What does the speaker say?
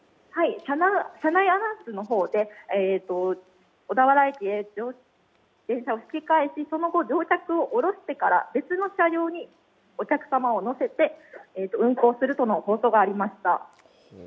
車内アナウンスの方で小田原駅へ電車を引き返しその後、乗客を降ろしてから別の車両にお客様を乗せて運行するとの放送がありました。